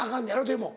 でも。